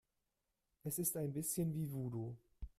Es ist ein bisschen wie Voodoo.